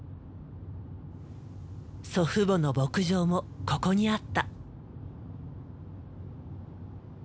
祖父母の牧場もここにあった。